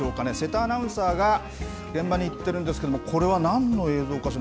瀬田アナウンサーが現場に行っているんですけどもこれ、なんの映像かしら。